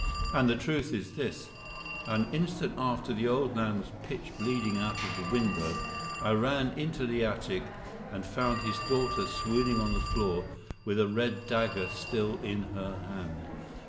And the truth is this: An instant after the old man was pitched bleeding out of the window, I ran into the attic, and found his daughter swooning on the floor with a red dagger still in her hand.